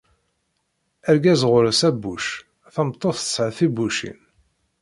Argaz ɣur-s abbuc, tameṭṭut tesɛa tibbucin